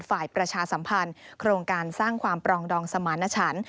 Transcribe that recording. ฝ่ายประชาสัมพันธ์โครงการสร้างความปรองดองสมารณชัน